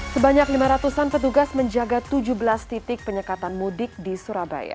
sebanyak lima ratus an petugas menjaga tujuh belas titik penyekatan mudik di surabaya